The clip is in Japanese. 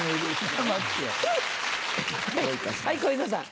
はい小遊三さん。